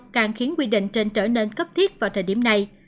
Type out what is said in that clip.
càng khiến quy định trên trở nên cấp thiết vào thời điểm này